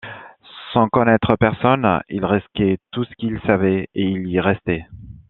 Sans connaître personne, il risquait tout ce qu'il savait et il y est resté.